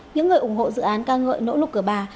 những người ủng hộ dự án ca ngợi nỗ lực của bà